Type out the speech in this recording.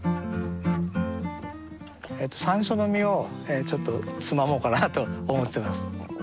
さんしょうの実をちょっとつまもうかなと思ってます。